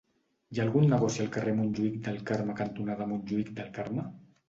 Hi ha algun negoci al carrer Montjuïc del Carme cantonada Montjuïc del Carme?